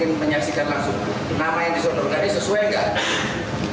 ingin menyaksikan langsung nama yang disodorkan ini sesuai nggak